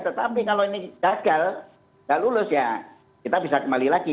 tetapi kalau ini gagal tidak lulus ya kita bisa kembali lagi